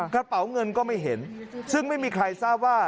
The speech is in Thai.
กระเป๋าเงินก็ไม่เห็นซึ่งไม่มีใครทราบว่า